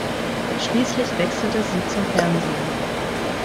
Schließlich wechselte sie zum Fernsehen.